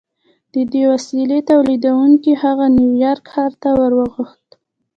د دې وسیلې تولیدوونکي هغه نیویارک ښار ته ور وغوښت